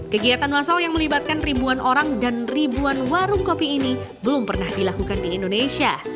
kegiatan masal yang melibatkan ribuan orang dan ribuan warung kopi ini belum pernah dilakukan di indonesia